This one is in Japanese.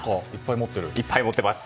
いっぱい持っています。